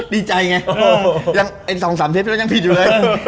ดีใจไงยัง๒๓เทปแล้วยังผิดอยู่เลย